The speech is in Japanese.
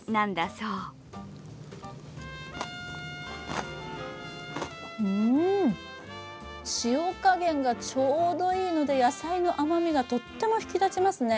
うん、塩加減がちょうどいいので野菜の甘みがとっても引き立ちますね。